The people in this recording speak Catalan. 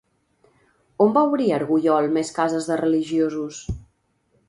On va obrir Arguyol més cases de religiosos?